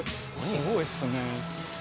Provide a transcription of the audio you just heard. すごいですね。